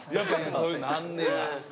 そういうのあんねや。